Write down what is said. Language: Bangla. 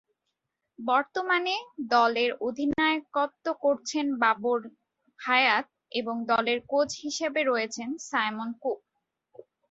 বর্তমানে দলের অধিনায়কত্ব করছেন বাবর হায়াত এবং দলের কোচ হিসেবে রয়েছেন সায়মন কুক।